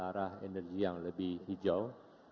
arah energi yang lebih hijau